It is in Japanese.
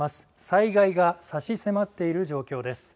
災害が差し迫っている状況です。